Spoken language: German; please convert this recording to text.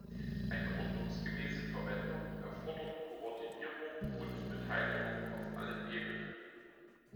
Eine ordnungsgemäße Verwendung erfordert Koordinierung und Beteiligung auf allen Ebenen.